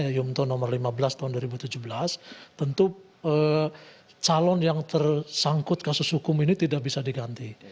ya yumto nomor lima belas tahun dua ribu tujuh belas tentu calon yang tersangkut kasus hukum ini tidak bisa diganti